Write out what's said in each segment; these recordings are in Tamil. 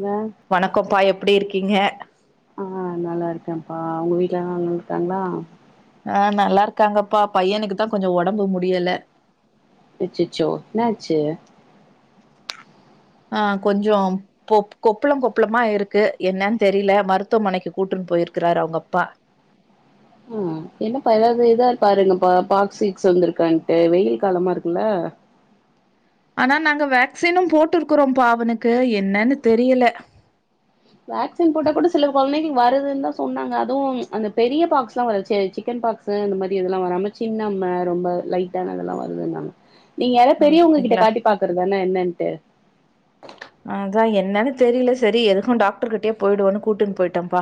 ங்க வணக்கோப்பா எப்படி இருக்கிங்க ஆ நல்லாருக்கேம்ப்பா உங்க வீட்ல எல்லாரு நல்லாருக்காங்ளா ஆ நல்லாருக்காங்கப்பா பையனுக்குதா கொஞ்ச ஒடம்பு முடியல அச்சச்சோ என்னாச்சு ஆ கொஞ்சோ கொப் கொப்பள கொப்பளமா இருக்கு என்னன்னு தெரியல மருத்துவமனைக்கு கூட்டுனு போயிருக்கறாரு அவங்க அப்பா ம் என்னப்பா எதாவது இதா பாருங்கப்பா பாக்ஸ் கீக்ஸ் வந்திருக்கான்ட்டு வெயில் காலமா இருக்குல்ல ஆனா நாங்க வேக்சினு போட்டுருக்கறோம்ப்பா அவனுக்கு என்னன்னு தெரியல வேக்சின் போட்டா கூட சில கொழந்தைகளுக் வருதுன்தா சொன்னாங்க அதுவு அந்த பெரிய பாக்ஸ்ல்லா வரா சி சிக்கன் பாக்ஸ் இந்த மாரி இதுலா வராம சின்னம்ம ரொம்ப லைட்டான அதெல்லா வருதுன்னாங்க நீங்க யாராவது பெரியவங்க கிட்ட அப்டிங்களா காட்டி பாக்குறதானே என்னன்ட்டு அதா என்னன்னு தெரியல செரி எதுக்கு டாக்டர்கிட்டயே போயிடுவோன்னு கூட்டுன்னு போயிட்டம்ப்பா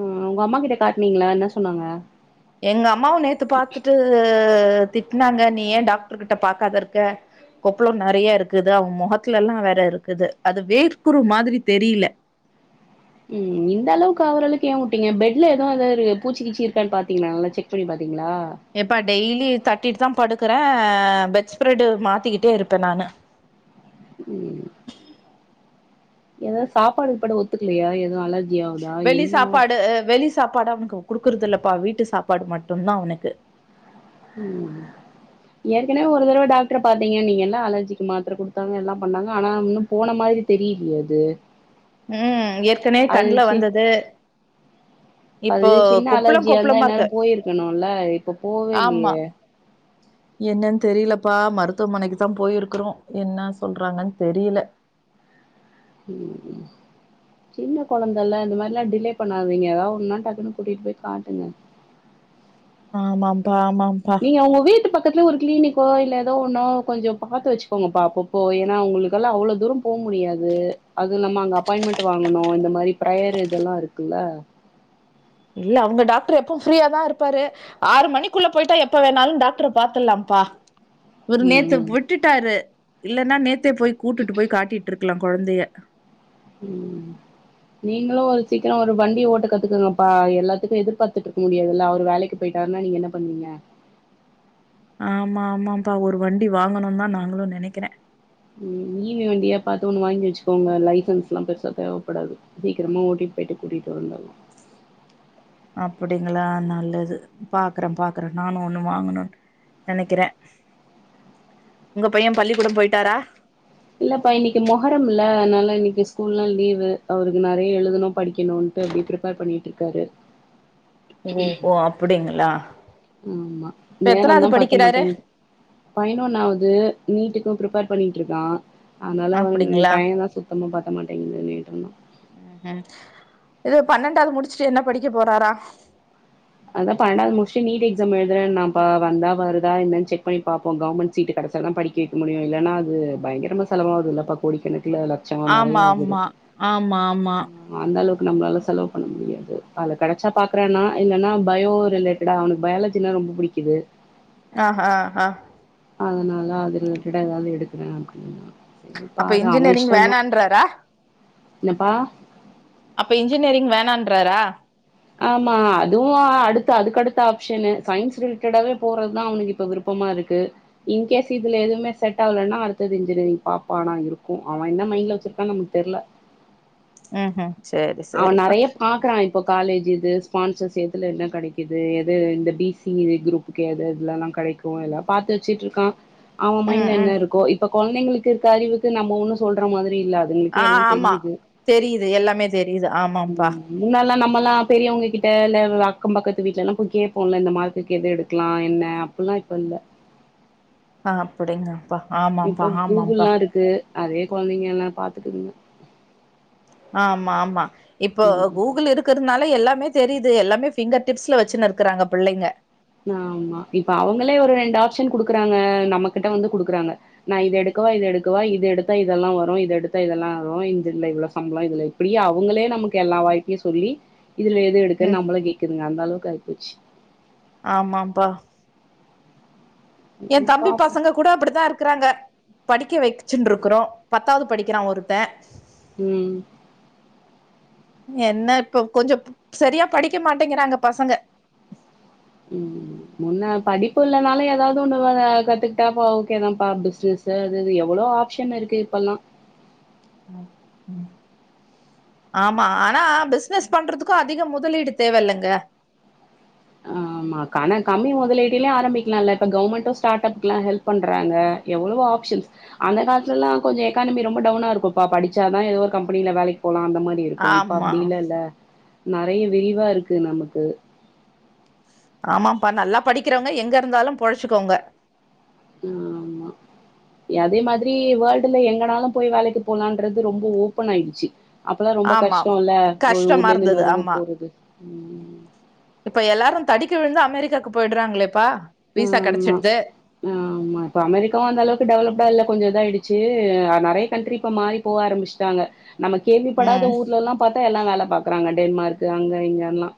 ம் உங்க அம்மா கிட்ட காட்னிங்களா என்ன சொன்னாங்க எங்க அம்மாவு நேத்து பாத்துட்டு திட்னாங்க நீ ஏ டாக்டர் கிட்ட பாக்காதிருக்க கொப்பள நெறையா இருக்குது அவ முகத்துலல்லா வேற இருக்குது அது வேர்க்குரு மாதிரி தெரில ம் இந்த அளவுக்கு ஆவறளவுக்கு ஏ உட்டிங்க பெட்ல எதுவு எதா பூச்சிகீச்சி இருக்கானு பாத்திங்லா நல்லா செக் பண்ணி பாத் எப்பா டெய்லியு தட்டிட்டுதா படு இருக்கற பெட்ஸ்ஃப்ரட்டு மாத்திக்கிட்டே இருப்பே நானு ம் எதாது சாப்பாடு கீப்பாடு ஒத்துக்கலயா எது அலர் வெளி சாப்பாடு அ வெளி சாப் சாப்பாடு அவனுக்கு குடுக்குறது இல்லப்பா வீட்டு சாப்பாடு மட்டுதா அவனுக்கு ம் ஏற்கனவே ஒரு தடவ டாக்டர பாத்தீங்கன்னீங்கள அலர்ஜிக்கு மாத்தர குடுத்தாங்க எல்லா பண்ணாங்க ஆனா வுன்னோ போன மாரி தெரிலயே அது ம் ஏற்கனவே அது கண்ல சி வந்தது அது இப்போ சின்ன கொப்புளம் அலர்ஜியா இருந்தா கொப்புளமா இந்நேரோ இருக்கு போயிர்க்கணுல இப்ப போவே ஆமா இல்லயே என்னன்னு தெரிலப்பா மருத்துவமனைக்கு தா போயிருக்குறோ என்னா சொல்றாங்கன் தெரில ம் சின்ன கொழந்தேல்ல இந்த மாரில்லா டிலே பண்ணாதீங்க ஏதாவு ஒன்னுன்னா டக்குன்னு கூட்டிட்டு போய் காட்டுங்க ஆமாம்பா ஆமாம்பா நீங்க ஒங்க வீட்டு பக் பக்கத்துல ஒரு கிளினிக்கோ இல்ல ஏதோ ஒன்னோ கொஞ்சோ பாத்து வச்சுக்கோங்கப்பா அப்பப்போ ஏன்னா ஒங்களுக்கல்லா அவளோ தூரோ போ முடியாது அதுவு இல்லாம அங்க அப்பாயின்மென்ட் வாங்கணு. இந்த மாரி பிரேயர் இதல்லா இருக்குல்ல இல்ல அவுங்க டாக்ரு எப்போ ப்ரீயா தா இருப்பாரு ஆறு மணிக்குள்ள போய்ட்டா எப்ப வேணாலு டாக்ர பாத்தலாம் பா இவரு நேத்து ம் விட்டுட்டாரு இல்லன்னா நேத்தே போய் கூட்டுட்டு போய் காட்டிட்டு இரு இருக்கலா கொழந்தய ம் நீங்களு ஒரு சீக்கரோ ஒரு வண்டிய ஓட்ட கத்துக்கங்கப்பா எல்லாத்துக்கு எதிர்பாத்துட்ருக்க முடியாதுல்ல அவரு வேலைக்கு போயிட்டா [unintelligible] நீங்க என்ன பண்ணீங்க ஆமா ஆமாம்பா ஒரு வண்டி வாங்கணு தா நாங்களு நெனைக்கிறே ம் [unintelligible] வண்டியா பாத்து ஒன்னு வாங்கி வச்சுக்கோங்க லைசன்ஸ்லா பெருசா தேவப்படாது சீக்ரமா ஓட்டி போய்ட்டு கூட்டிட்டு வந்தர்லா அப்புடிங்களா நல்லது பாக்றே பாக்றே நானு ஒண்ணு வாங்கணு நெனேக்கிறே உங்க பையே பள்ளிக்கூடோ போய்ட்டாரா இல்லப்பா இன்னக்கி மொகரம்முல்ல அதுனால இன்னக்கி ஸ்கூல்லா லீவு அவருக்கு நெறய எழுதணு படிக்கணு இப்ப எப்டி ஃபிரிப்பர் பண்ணிட் இருக்காரு ஓ ஓ அப்படிங்களா ஆமா இப்ப எத்தனாவது நேரந்தா பத்த படிக்கிறாரு மாட்டேங்து பதினொண்ணாவது நீட்டு கு ஃபிரிப்பர் பண்ணிட்ருக்கா அதுனால அவன் அப்படிங்களா டைய தா சுத்தமா பத்த மாட்டேங்குது நேரந்தா ம் ம் இது பன்னண்டாவது முடுச்சுட்டு என்ன படிக்க போறாரா அதா பன்னண்டாவது முடுச்சு நீட் எக்ஸாம் எழுதறேன்னாப்பா வந்தா வருதா என்னனு செக் பண்ணி பாப்போ கவர்மண்ட் சீட் கெட கெடச்சா தா படிக்க வைக்க முடியு இல்லேனா அது பயங்கரமா செலவாவுது இல்லப்பா கோடிக்கண க்ல லச்சோ நெறய ஆமா ஆகுது ஆமா ஆமா ஆமா அந்த அளவு நம்மளால செலவு பண்ண முடியாது அதுல கெடச்சா பாக்குறேன்னா இல்லன்னா பயோ ரிலேட்டடா அவனுக்கு பயாலஜினா ரொம்ப புடிக்குது ஆஹ ஆ அதுனால அது ரிலேட்டடா ஏதாவது எடுக்குறே அப்டின்னா அப்ப சரிப்பாரு அவெ இன்ஜினியரிங் இஷ்டந்தா வேணான்றாரா என்னப்பா அப்ப இன்ஜினியரிங் வேணான்றாரா ஆமா அதுவு அடுத்த அதுக்கடுத்த ஆப்ஷனு சயின்ஸ் ரிலேட்டடாவே போறத்தா அவனுக்கு இப்ப விருப் பமா இருக்கு இன் கேஸ் இதுல எதுவுமே செட் ஆகலேன்னா அடுத்தது இன்ஜினியரிங் பாப்போ ஆனா இருக்கு அவெ என்ன மைண்ட்ல வச்சுருக்கான்னு நமக்கு தெர்ல ம் ம் சேரி அவே சேரிப்பா நெறைய பாக்குறா இப்ப காலேஜி இது ஸ்பான்சர் எதுல என்ன கெடைக்குது எது இந்த பி சி குரூப்புக்கே எது இதுலல்லா கெடைக்கும் எல்லா பாத்து வெச்சுட்டு இருக்கா அவன் ம் மைண்ட்ல ம் என்ன இருக்கோ இப்ப கொழந்தைங்களுக்கு இருக்க அறிவுக்கு நம்ம ஒன்னு சொல்ற மாரி இல்ல ஆ அதுங்களுக்கே எல்லாம் ஆமா தெரியுது தெரியுது எல்லாமே தெரியுது ஆமாம்பா ம் முன் னா நம்ம எல்லா பெரியவங்ககிட்ட இல்ல அக்கம் பக்கத்து வீட்ல எல்லாம் போய் கேப்போம்ல இந்த மார்க்குக்கு எது எடுக்கலா என்ன அப்பெல்லா இப்ப இல்ல ஆ அப்படிங்க இப்போ கூகுள்லா இருக்கு அதே கொழந்தைங்க எல்லா பாத்துக்குங்க ஆமா ஆமா இப்போ ம் கூகுள் இருக்கறதுனால எல்லா மே தெரியுது எல்லாமே பிங்கர் டிப்ஸ்ல வெச்சுனு இருக்குறாங்க பிள்ளைங்க ஆமா இப்ப அவங்களே ஒரு ரெண்டு ஆப்ஷன் குடுக்குறாங்க நம்ம கிட்ட வந்து குடுக்குறாங்க நா இத எடுக் கவ இது எடுக்கவா இது எடுத்தா இதெல்லா வரோ இது எடுத்த இதெல்லா வரோ இதுல இவ்ளோ சம்பளோ இதுல இப்டி அவுங்களே நா நமக்கு எல்லா வாய்ப்பயு சொல்லி இதுல எத எடுக்கன்னு ம் நம்மள கேட்க்குதுங்க அந்த அளவுக்கு ஆயிப்போச்சி ஆமாம்பா எயா ம் தம்பி பாப்போ பசங்க கூட அப்டித்தா இரு ருக்குறாங்க படிக்க வெச்சுட்ன்டு இருக்குறோ பத்தாவது படிக்கிறா ஒருத்தே ம் என்ன இப்ப கொஞ்சோ செரியா படிக்க மாட்டேங்கிறாங்க பசங்க ம் முன்ன படிப்பு இல்லனாலு ஏதாவது ஒன்னு வ வ கத்துக்கிட்டாப்பா ஓகே தா பா பிஸ்ன ஸ் அது இது எவ்ளோ ஆப்ஷன் இருக்கு இப்பல்லா ம், ம். ஆமா ஆனா பிசினஸ் பண்றதுக்கும் அதிக முதலீடு தேவ இல்லங்க ஆமா ஆனா கம்மி முதலீட்டிலயு ஆரம்பிக்கலா இல்ல இப்ப கவர்மெண்ட்டும் ஸ்டார்ட் அப்கெல்லா ஹெல்ப் பண்றாங்க எவ்ளோ ஆப்ஷன்ஸ் அந்த காலத்துல எல்லா கொஞ்சோ எக்கானமி ரொம்ப டவுனா இருக்கும்ப படிச்சா தா ஏதோ ஒரு கம்பெனில வேலைக்கு போலாம் அந்த மாரி இருக்கோ இப்போ ஆமா அப்டி இல்லல்ல நெறைய விரிவா இருக்கு நமக்கு ஆமாப்பா நல்லா படிக்கிறவங்க எங்க இருந்தாலு பொழைச்சுக்கோங்க ஆமா எ அதே மாதிரி வேல்டுல எங்கனாலு போய் வேலைக்கு போலான்றது ரொம்போ ஓப்பனாயிடுச்சி அப்பெல்லா ரொம்போ ஆமாம் கஷ்டோல்ல ஒரு கஷ்டமா ஊர்லெந்து இருந்தது இன்னொரு ஊர் ஆமா போறது இப்ப எல்லாரு தடிக்கி விழுந்தா அமெரிக்காக்கு போயிட்றாங்ளே இப் ம் ஆமா ஆ ஆமா இப்ப அமெரிக்காவு அந்தளவுக்கு டெவலப்டா இல்ல கொஞ்சோ இதாயிடுச்சி நறைய கண்ட்ரி இப்போ மாறி போவ ஆரம்பிச்சிட்டாங்க நம்ம கேள்விப்படாத ம் ஊர்லல்லா பாத்தா எல்லா வேல பாக்குறாங்க டென்மார்க்கு அங்க இங்கல்லா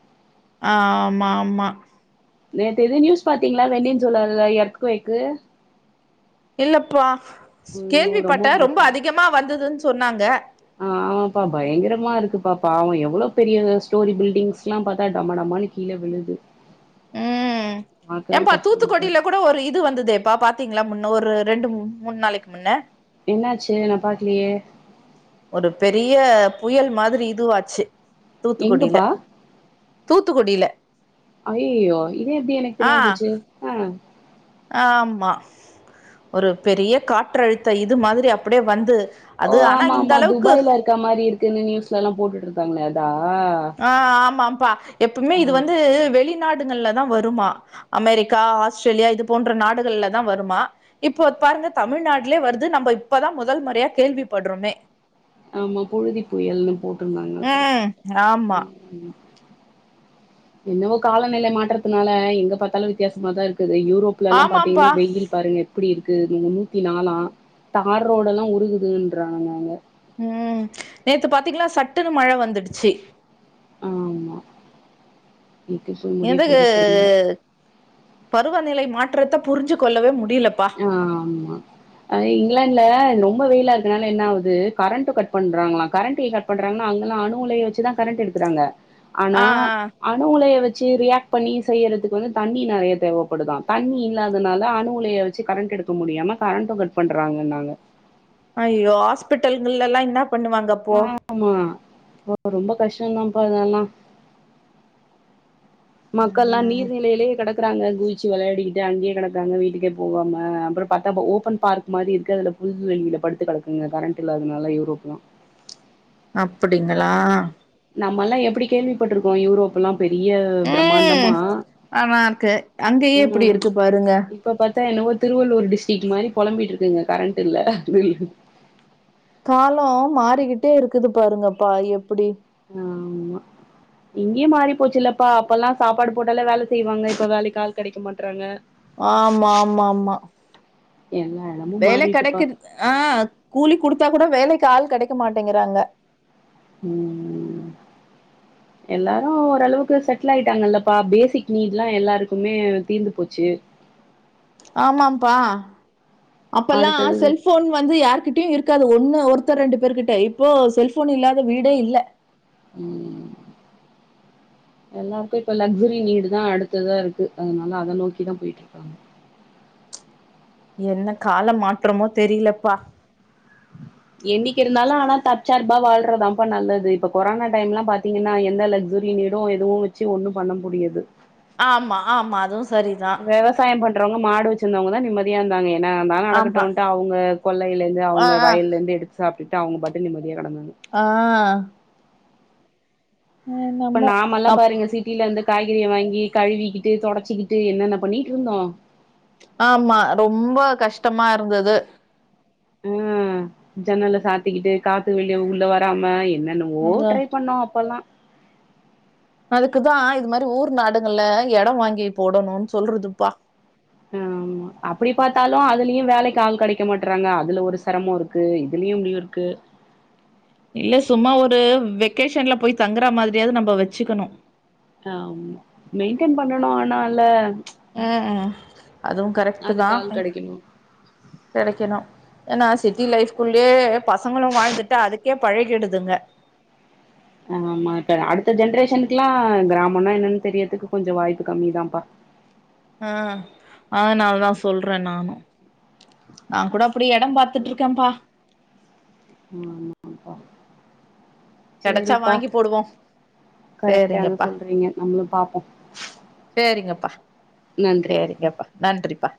ஆ ஆமா ஆமா நேத்து எதோ நியூஸ் பாத்தீங்களா வெண்னின்சுலாவ்ல எர்த்குவைக்கு இல்லப்பா ரொம்ப கேள்விப்பட்டே ரொம்போ மோசோ அதிகமா வந்ததுன் சொன்னாங்க ஆ ஆமாம்பா பயங்கரமா இருக்குபா பாவு எவ்ளோ பெரிய ஸ்டோரி பில்டிங்ஸ்லா பாத்தா டம்மடம்மான்னு கீழே விழுது ம் பாக்கவே எம்பா கஷ்டமாதா தூத்துக்கொடில இருக்கு கூட ஒரு இது வந்துதேப்பா பாத்தீங்ளா முன்ன ஒரு ரெண்டு மு மூண்நாளிக்கு முன்னே என்னாச்சி நா பாக்கலியே ஒரு பெரிய புயல் மாரி இதுவாச்சி தூத்துக்குடில தூத்துக் ஐயய்யோ இது எப்டி எனக் ஆ தெரியாம போச்சு ஆ ஆமா ஒரு பெரிய காற்றழுத்த இது மாரி அப்டியே வந்து ஓ அது ஆனா ஆமா இந்த ஆமா அளவுக்கு துபாய்ல இருக்கா மாரி இருக்குன்னு நியூஸ்லல்லா போட்டுட்டு இருந்தாங்களே அதா ஆ ஆமாப்பா எப்புமே இது ஆ வந்து வெளி நாடுங்கள்ல தா வருமா அமெரிக்கா ஆஸ்திரேலியா இது போன்ற நாடுகள்ல தா வருமா இப்போத் பாருங்க தமிழ்நாட்டுலே வருது நம்போ இப்பதா முதல் முறையா கேள்விப்பட்றோமே ஆமா பொழுதி புயல்ன்னு போட்ருந்தாங்க [inaudible] ம். ஆமா என்னவோ காலநிலை மாற்றத்துனால எங்க பாத்தாலு வித்யாசமாதா இருக் குது யூரோப்லல்லா பாத்தீங்னா ஆமாம்ப்பா. வெயில் பாருங்க எப்டி இருக் கு நூத்தி நாலா தார் ரோடல்லா உருகுதுன்றாங்கங்க ம் நேத்து பாத்தீங்கலா சட்டுன்னு மழ வந்துடுச்சி ஆமா எப்டி போய் முடிய எந்தக்கூ போதோ தெரில பருவநிலை மாற்றத்த புரிஞ்சு கொள்ளவே மு ஆமா அது இங்கிலான்ட்ல னொம் ப வெயிலாருக்கனால என்னாவுது கரண்டு கட் பண்றாங்களா கரண்டி கட் பண்றாங்கனா அங்கலா அணுலைய வச்சுதா கரண்ட்டெடுக்குறாங்க ஆ, அனா ஆ. அணுலைய வச்சி ரியாக் பண்ணி செய்யறதுக்கு வந்து தண்ணி நறயா தேவப்படுதா தண்ணி இல்லாதனால அணுலைய ச்சு கரண்ட்டெடுக்க முடியாம கரண்டு கட் பண்றாங்க நாங்க அய்யோ ஹாஸ்பிடல்கள்லல்லா இன்னாப் பண்ணுவாங்கப்போ ஓ ரொம்ப கஷ்டோந்தான்ப்பா அதல்லா மக்கல்லா ம். நீர் நிலைலே கடக்குறாங்க குதிச்சு வளையாடிகிட்டு அங்கயே கடக்காங்க வீட்டுக்கே போகாம அப்றோ பாத்தா போ ஓபன் பார்க் மாரி இருக்கு அதுல புல்வெலில படுத்து கடக்குங்க கரண்டில்லாதனால யூரோப்லா அப்புடிங்களா நம்மல்லா எப்புடி கேள்விப்பட்டுருக்கோ யூரோப்பல்லா பெரியே ம். ப்ரமாண்டமா ஆனா இருக்கு அங்கயே எப்டி ம் இருக்கு பாருங்க இப்பொ பாத் தா என்னவோ திருவள்ளூர் டிஸ்டிக் மாரி பொழம்பிட்ருக்குங்க கரண்ட்டில்ல காலோ மாறிகிட்டே இருக்குது பாருங்கப்பா எப்புடி ஆமா இங்கியே மாறிப் போச்சுல்லப்பா அப்போல்லா சாப்பாடு போடாலே வேல செய்வாங்க இப்ப வேலைக்கு ஆள் கெடைக்க மாட்றாங்க ஆமா ஆமா ஆமா எல்லா எடமு வேலேக் மாறிட்டுப்பா கெடக்குது ஆஹ் கூலி குடுத்தா கூட வேலைக் கால் கெடைக்க மாட்டேங்குறாங்க ம் எல்லாரு ஓரளவுக்கு செட்லாய்ட்டாங்கல்லப்பா பேசிக் நீட்லா எல்லாருக்மே தீந்து போச்சு ஆமாம்ப்பா அப்பல்லா அடுத்தது செல்ஃபோன் வந்து யார்கிட்யு இருக்காது ஒண்ணு ஒரு த்த ரெண்டு பேரு கிட்ட இப்போ செல்ஃபோன் இல்லாத வீடே இல்ல ம் எல்லாருக்கு இப்ப லக்சுரி நீடு தா அடுத்ததா இருக்கு அதனால அத நோக்கிதா போய்ட்ருக்காங்க என்ன கால மாற்றமோ தெரிலப்பா என்ணிக்கு இருந்தாலு ஆனா தற்சார்பா வாழ்றதாம்ப்பா நல்லது இப்ப கொரோனா டைம்லா பாத்தீங்கன்னா எந்த லக்சு ரி நீடு எதுவு வச்சு ஒண்ணு பண்ண முடியாது ஆமா ஆமா அதுவு சரிதா வெவசாயம் பண்றவங்க மாடு வெச்சிர்ந்தவங்கதா நிம்மதியா இருந்தாங்க என்ன வேணா ஆமா நடக்கடுன்ட்டு அவுங்க கொள்ளைலிந்து ஆ அவுங்க ஆ வயல்லிந்து எடுத்து சாப்ட்டுட்டு அவுங்க பாட்டு நிம்ம ஆஹ் இப்ப நாமல்லா அப்- பாருங்க சிட்டிலிந்து காய்கறிய வாங்கி கழுவிக்கிட்டு தொடச்சிக்கிட்டு என்னென்ன பண்ணீட்ருந்தோ ஆமா ரொம்ப கஷ்டமா இருந்துது ம் ஜன்னல்ல சாத்திக்கிட்டு காத்து வெளிய உள்ள வராம என்ன என்னன்னவோ அதா ட்ரை பண்ணோ அப்பல்லா அதுக்கு தா இது மாரி ஊர் நாடுகள்ல எடொ வாங்கி போடணுண்ணு சொல்றதுப்பா ஆமா அப்டி பாத்தாலு அதுலியு வேலைக்கு ஆள் கடைக்க மாட்றாங்க அதுல ஒரு செரமோ இருக்கு இதுல் இவங்களுக்கு இருக்கு இல்ல சும்மா ஒரு வெக்கேஷன்ல போய் தங்குற மாதிரியாவது நம்ம வச்சுக்கணு ஆமா மெயின்டென் பண்ணனு ஆனால்ல ம் ம் அதுவு கரெக்ட் தா அதுக்கு ஆள் கெடைக்கணு கெடைக்கணு ஏன்னா சிட்டி லைஃப்க்குள்யே பசங்களு வாழ்ந்துட்டா அதுக்கே பழகிடுதுங்க ஆமா இப்ப அடுத்த ஜென்ரேஷன்க்ல்லா கிராமனா என்னன்னு தெரியரதுக்கு கொஞ்சோ வாய்ப்பு கம்மிதாப்பா ஆ அதனால தா சொல்றே நானு நா கூட அப்டி எடொ பாத்துட்டுருக்கேப்பா ஆமாப்பா கிடச்சா வாங்கி போடுவோ கரெக்டாத சேரிங்கப்பா சொல்றீங்க நம்மளு பாப்போ சேரிங்கப்பா நன்றி சேரிங்கப்பா நன்றிப்பா